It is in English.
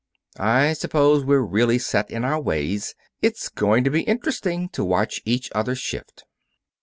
I suppose we're really set in our ways. It's going to be interesting to watch each other shift."